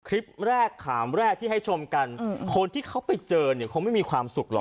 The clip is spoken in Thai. คลิปแรกขามแรกที่ให้ชมกันคนที่เขาไปเจอเนี่ยคงไม่มีความสุขหรอก